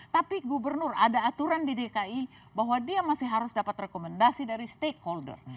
tapi gubernur ada aturan di dki bahwa dia masih harus dapat rekomendasi dari stakeholder